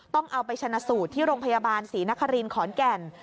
ต้องเอาไปชนะสูตรที่โรงพยาบาลศรีนครินขอนแก่น